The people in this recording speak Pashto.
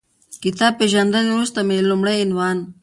کتاب پېژندنې وروسته مې لومړی عنوان